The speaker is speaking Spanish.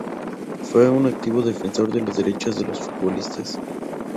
Fue un activo defensor de los derechos de los futbolistas.